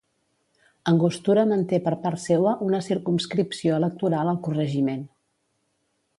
Angostura manté per part seua una circumscripció electoral al corregiment.